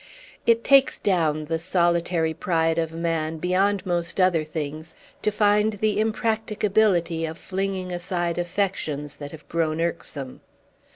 It takes down the solitary pride of man, beyond most other things, to find the impracticability of flinging aside affections that have grown irksome.